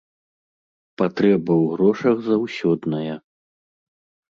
Патрэба ў грошах заўсёдная.